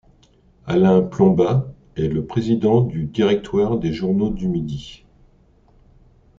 Alain Plombat est le président du directoire des Journaux du Midi.